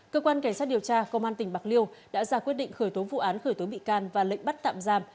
cơ quan cảnh sát điều tra công an tỉnh bạc liêu đã ra quyết định khởi tố vụ án khởi tố bị can và lệnh bắt tạm giam